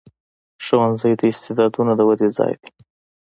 ښوونځی د استعدادونو د ودې ځای دی.